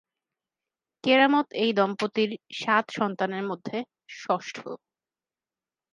কেরামত এই দম্পতির সাত সন্তানের মধ্যে ষষ্ঠ।